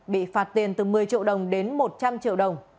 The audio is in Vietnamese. bị phạt tiền từ một mươi triệu đồng đến một trăm linh triệu đồng